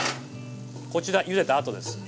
こちらゆでたあとです。